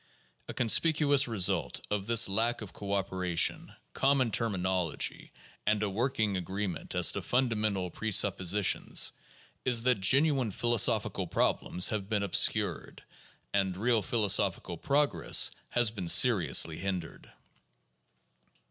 A conspicuous result of this lack of cooperation, common terminology, and a working agreement as to fundamental presuppositions is that genuine philo sophical problems have been obscured, and real philosophical progress has been seriously hindered.